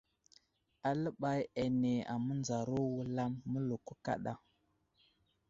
Aləɓay ane amənzaro wulam mələko kaɗa.